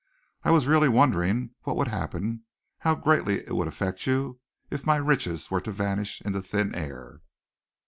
I was really wondering what would happen how greatly it would affect you if my riches were to vanish into thin air."